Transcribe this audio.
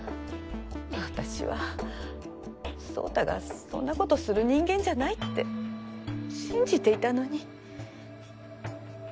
私は宗太がそんなことする人間じゃないって信じていたのに。